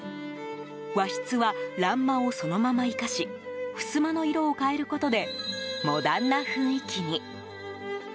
和室は、欄間をそのまま生かしふすまの色を変えることでモダンな雰囲気に。